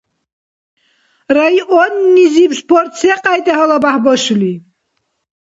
Районнизиб спорт секьяйда гьалабяхӀ башули?